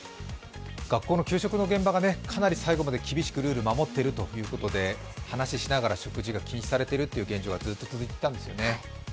学校の給食の現場がかなり最後まで厳しくルールを守っているということで話しながら食事が禁止されている現状がずっと続いてたんですよね。